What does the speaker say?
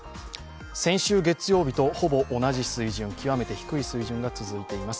先週月曜日とほぼ同じ水準極めて低い水準が続いています。